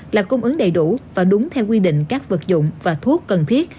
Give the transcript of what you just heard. là cung ứng đầy đủ và đúng theo quy định các vật dụng và thuốc cần thiết